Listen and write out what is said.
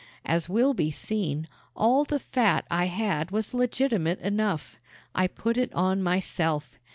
As will be seen, all the fat I had was legitimate enough. I put it on myself.